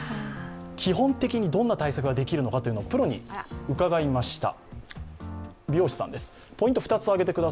基本的にどんな対策ができるのか、プロに伺いました。